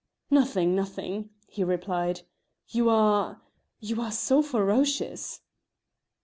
"Nothing, nothing," he replied; "you are you are so ferocious."